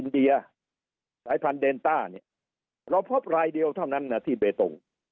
อินเดียสายพันธุ์เดนต้านี่เราพบรายเดียวเท่านั้นน่ะที่เบตตงค์